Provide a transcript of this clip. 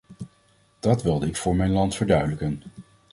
Dat wilde ik voor mijn land verduidelijken.